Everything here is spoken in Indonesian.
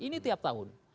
ini tiap tahun